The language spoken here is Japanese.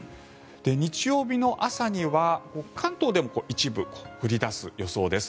日曜日の朝には関東でも一部降り出す予想です。